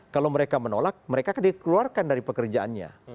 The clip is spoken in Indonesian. kalau mereka menolak mereka akan dikeluarkan dari pekerjaannya